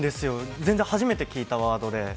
全然初めて聞いたワードで。